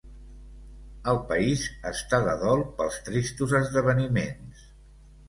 El país està de dol pels tristos esdeveniments.